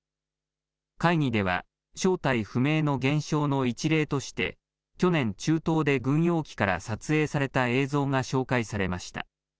会議では正体不明の現象の一例として去年、中東で軍用機から撮影された映像が紹介されました。